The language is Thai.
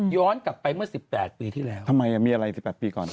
กลับไปเมื่อ๑๘ปีที่แล้วทำไมมีอะไร๑๘ปีก่อน